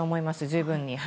十分に。